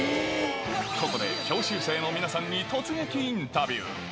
ここで教習生の皆さんに突撃インタビュー。